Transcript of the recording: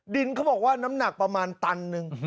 ดินเขาบอกว่าน้ำหนักประมาณตันหนึ่ง